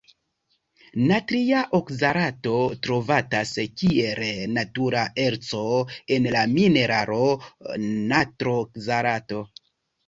Natria okzalato trovatas kiel natura erco en la mineralo natrokzalato.